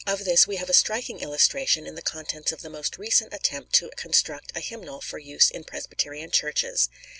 Of this we have a striking illustration in the contents of the most recent attempt to construct a hymnal for use in Presbyterian Churches.